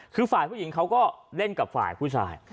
คือฝ่ายผู้หญิงเขาก็เล่นกับฝ่ายผู้ชาย